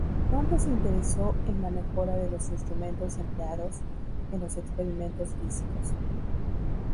Pronto se interesó en la mejora de los instrumentos empleados en los experimentos físicos.